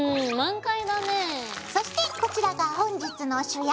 そしてこちらが本日の主役。